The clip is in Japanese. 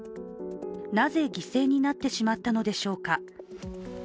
なぜ犠牲になってしまったのでしょうか。